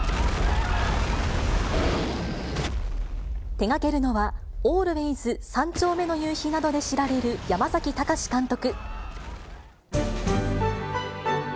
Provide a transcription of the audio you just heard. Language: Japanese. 手がけるのは、ＡＬＷＡＹＳ三丁目の夕日などで知られる山崎貴監督。